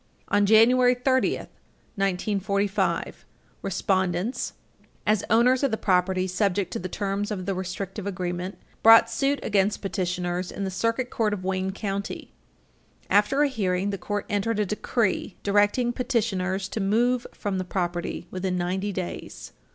On January 30, 1945, respondents, as owners of property subject to the terms of the restrictive agreement, brought suit against petitioners in the Circuit Court of Wayne County. After a hearing, the court entered a decree directing petitioners to move from the property within ninety days.